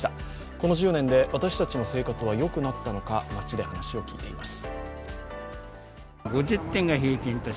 この１０年で私たちの生活はよくなったのか、街で話を聞いています。